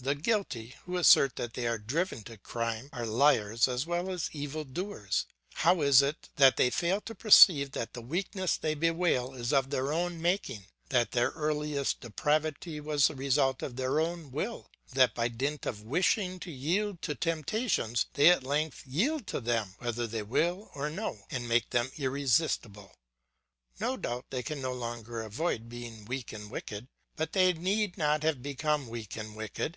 The guilty, who assert that they are driven to crime, are liars as well as evil doers; how is it that they fail to perceive that the weakness they bewail is of their own making; that their earliest depravity was the result of their own will; that by dint of wishing to yield to temptations, they at length yield to them whether they will or no and make them irresistible? No doubt they can no longer avoid being weak and wicked, but they need not have become weak and wicked.